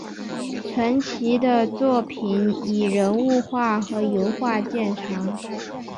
陈奇的作品以人物画和油画见长。